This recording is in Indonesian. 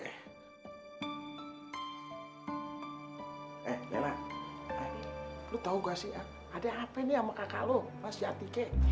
eh lela lo tau ga sih ada apa nih sama kakak lo sama si atika